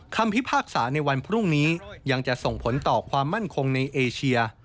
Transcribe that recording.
พิพากษาในวันพรุ่งนี้ยังจะส่งผลต่อความมั่นคงในเอเชีย